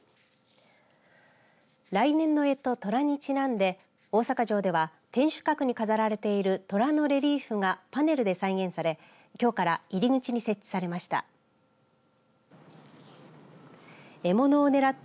来年のえと、とらにちなんで大阪城では天守閣に飾られている虎のレリーフがパネルで再現されきょうから入り口に設置されました。